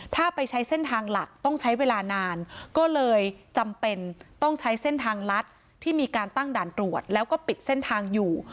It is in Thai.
ถ้าไปใช้เส้นทางหลักต้องใช้เวลานานก็เลยจำเป็นต้องใช้เส้นทางลัดที่มีการตั้งด่านตรวจแล้วก็ปิดเส้นทางอยู่